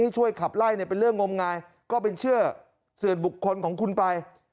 ช่วยขับไล่เป็นเรื่องงมงายก็เป็นเชื่อส่วนบุคคลของคุณไป